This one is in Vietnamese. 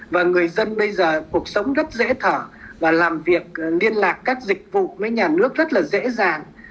và người dân bây giờ cuộc sống rất dễ thở và làm việc liên lạc các dịch vụ với nhà nước rất là dễ dàng